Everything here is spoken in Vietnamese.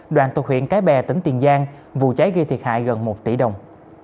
đoàn thuộc huyện cái bè tỉnh tiền giang vụ cháy gây thiệt hại gần một tỷ đồng